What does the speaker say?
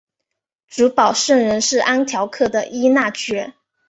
主保圣人是安条克的依纳爵。